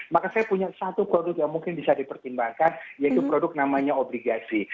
maka saya punya satu produk yang mungkin bisa dipertimbangkan yaitu produk namanya obligasi